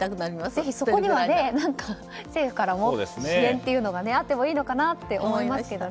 ぜひ、そこには政府からも支援があってもいいのかなと思いますけどね。